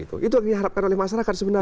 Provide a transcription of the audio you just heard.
itu yang diharapkan oleh masyarakat sebenarnya